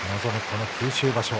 この九州場所。